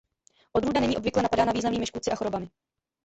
Odrůda není obvykle napadána významnými škůdci a chorobami.